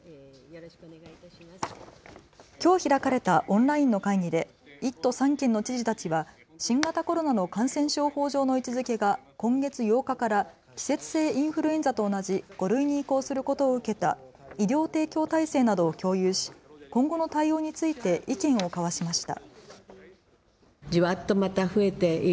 きょう開かれたオンラインの会議で１都３県の知事たちは新型コロナの感染症法上の位置づけが今月８日から季節性インフルエンザと同じ５類に移行することを受けた医療提供体制などを共有し今後の対応について意見を交わしました。